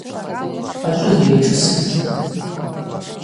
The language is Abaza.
Ачӏвызйа йшӏысыз?